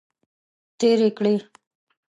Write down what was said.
تیرې کړې.